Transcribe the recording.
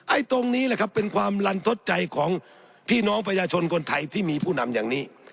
ตรงนี้แหละครับเป็นความลันทดใจของพี่น้องประชาชนคนไทยที่มีผู้นำอย่างนี้